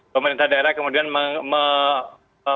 pemerintah daerah kemudian menyebutkan